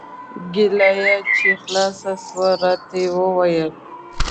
کېله چې يې خلاصه سوه راته ويې ويل.